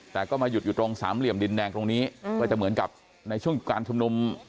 แต่ก็มาหยุดอยู่ตรงสามเหลี่ยมดินแดงตรงนี้ก็จะเหมือนกับในช่วงการชุมนุม